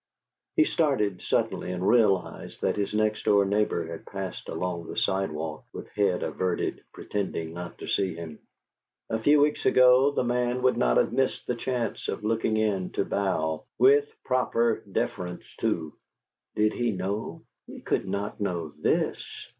... He started suddenly and realized that his next door neighbor had passed along the sidewalk with head averted, pretending not to see him. A few weeks ago the man would not have missed the chance of looking in to bow with proper deference, too! Did he know? He could not know THIS!